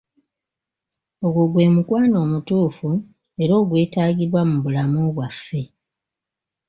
Ogwo gwe mukwano omutuufu era ogwetaagibwa mu bulamu bwaffe.